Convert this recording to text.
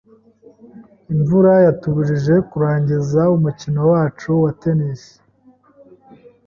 Imvura yatubujije kurangiza umukino wacu wa tennis.